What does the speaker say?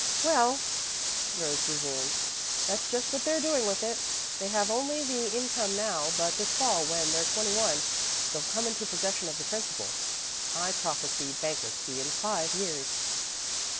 "Well," Rose resumed, "that's just what they're doing with it. They have only the income now, but this Fall, when they're twenty one, they'll come into possession of the principal. I prophesy bankruptcy in five years."